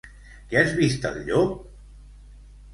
—Que has vist el llop?